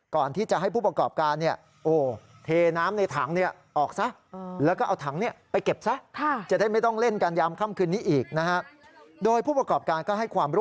ก่อนที่จะให้ผู้ประกอบการ